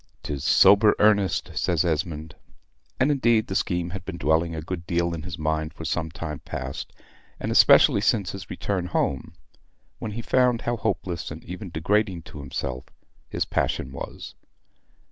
"'Tis sober earnest," says Esmond. And, indeed, the scheme had been dwelling a good deal in his mind for some time past, and especially since his return home, when he found how hopeless, and even degrading to himself, his passion was.